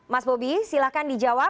mas bobi silakan dijawab